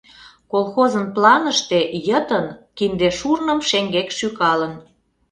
Колхозын планыште йытын кинде шурным шеҥгек шӱкалын.